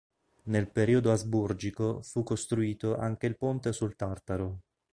Nel periodo asburgico fu costruito anche il ponte sul Tartaro.